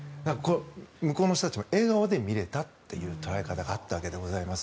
向こうの人たちも笑顔で見られたという捉えた方があったわけです。